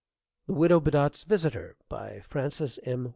THE WIDOW BEDOTT'S VISITOR BY FRANCES M.